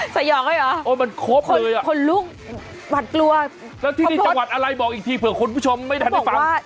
สยองไหมอ่ะคนลุกหวัดกลัวพอพลดแล้วที่นี่จังหวัดอะไรบอกอีกทีเผื่อคนผู้ชมไม่ได้ฟัง